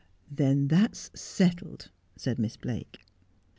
' Then that's settled,' said Miss Blake.